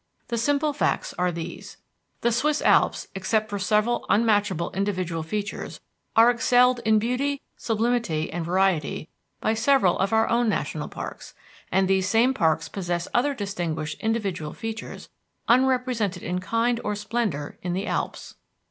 The simple facts are these: The Swiss Alps, except for several unmatchable individual features, are excelled in beauty, sublimity and variety by several of our own national parks, and these same parks possess other distinguished individual features unrepresented in kind or splendor in the Alps.